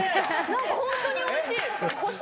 なんか本当においしい。